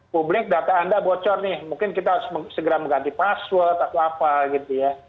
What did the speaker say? publik data anda bocor nih mungkin kita harus segera mengganti password atau apa gitu ya